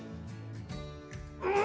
うん！